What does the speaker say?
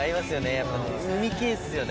やっぱ海系っすよね。